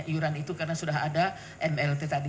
iuran itu karena sudah ada mlt tadi